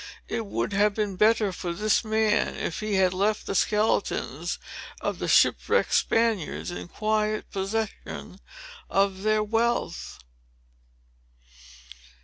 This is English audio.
It would have been better for this man, if he had left the skeletons of the shipwrecked Spaniards in quiet possession of their wealth.